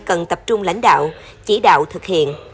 cần tập trung lãnh đạo chỉ đạo thực hiện